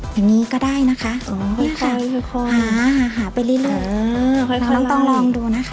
อย่างนี้ก็ได้นะคะหาหาไปเรื่อยน้องต้องลองดูนะคะ